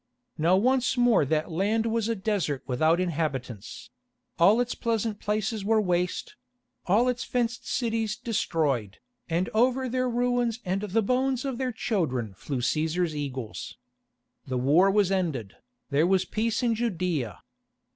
Now once more that land was a desert without inhabitants; all its pleasant places were waste; all its fenced cities destroyed, and over their ruins and the bones of their children flew Cæsar's eagles. The war was ended, there was peace in Judæa.